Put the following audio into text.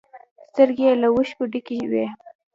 سترگې يې له اوښکو ډکې وې.